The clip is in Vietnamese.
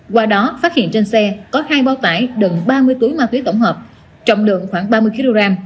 qua đó phát hiện trên xe có hai bao tải gần ba mươi túi ma túy tổng hợp trọng lượng khoảng ba mươi kg